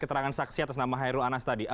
keterangan saksi atas nama hairul anas tadi